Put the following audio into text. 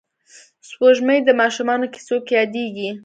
سپوږمۍ د ماشومانو کیسو کې یادېږي